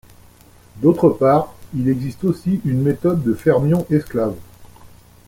D'autre part, il existe aussi une méthode de fermions esclaves.